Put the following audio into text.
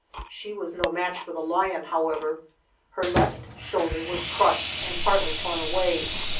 She was no match for the lion, however; her left shoul der was crushed and partly torn away.